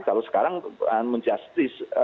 kalau sekarang menjustis